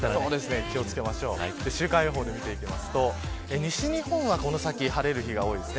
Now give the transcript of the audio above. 週間予報で見ていきますと西日本はこの先晴れる日が多いです。